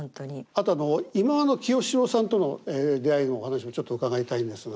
あと忌野清志郎さんとの出会いのお話もちょっと伺いたいんですが。